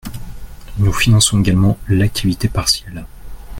Nous finançons également l’activité partielle.